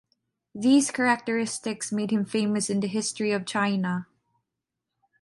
These characteristics made him famous in the history of China.